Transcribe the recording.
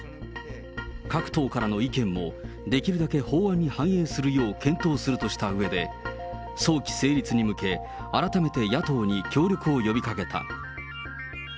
各党からの意見もできるだけ法案に反映するよう検討するとしたうえで、早期成立に向け、改めて野党に協力を呼びかけた。